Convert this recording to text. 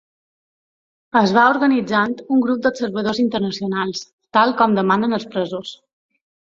Es va organitzant un grup d’observadors internacionals, tal com demanen els presos.